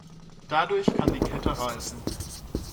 Dadurch kann die Kette reißen.